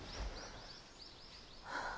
はあ。